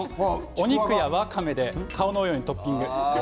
お肉や、わかめで顔のようにトッピングしています。